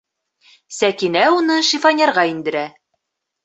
Сәкинә уны шифоньерға индерә.